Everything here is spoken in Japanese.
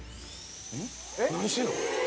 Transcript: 何してるの？